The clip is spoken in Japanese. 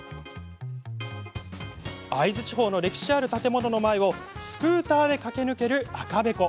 会津地方の歴史ある建物の前をスクーターで駆け抜ける赤べこ。